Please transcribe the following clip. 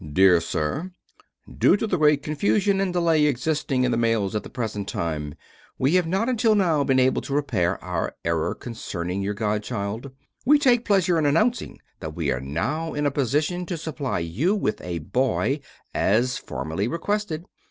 Dear Sir: Due to the great confusion and delay existing in the mails at the present time, we have not until now been able to repair our error concerning your godchild. We take pleasure in announcing that we are now in a position to supply you with a boy as formerly requested.